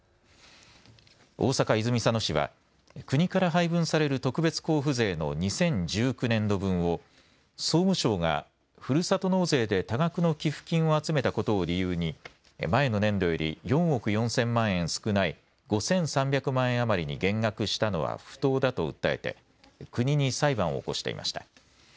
大阪泉佐野市は国から配分される特別交付税の２０１９年度分を総務省がふるさと納税で多額の寄付金を集めたことを理由に前の年度より４億４０００万円少ない５３００万円余りに減額したのは不当だと訴えて国に裁判を起こしていました。